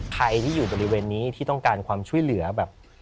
ใครที่อยู่บริเวณนี้ที่ต้องการความช่วยเหลือแบบ